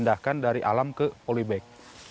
dari alam ke polybag